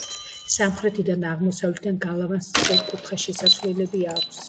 სამხრეთიდან და აღმოსავლეთიდან გალავანს სწორკუთხა შესასვლელები აქვს.